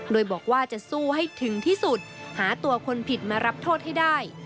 โดยบอกว่าจะสู้ให้ถึงที่สุดหาตัวคนผิดมารับโทษให้ได้